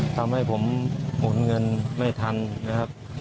ทำให้ผมหมุนเงินไม่ทันนะครับ